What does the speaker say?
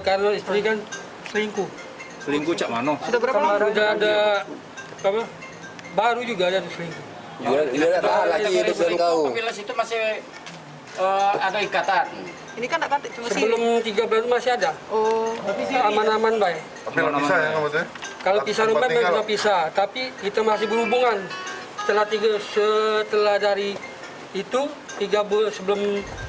kalau pisah rumah kita juga pisah tapi kita masih berhubungan setelah dari itu sebelum